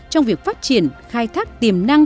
trong việc phát triển khai thác tiềm năng